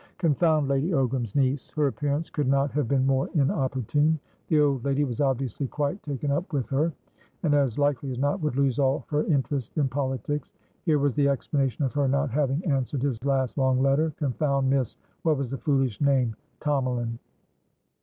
Confound Lady Ogram's niece! Her appearance could not have been more inopportune. The old woman was obviously quite taken up with her, and, as likely as not, would lose all her interest in politics. Here was the explanation of her not having answered his last long letter. Confound Misswhat was her foolish name? Tomalin!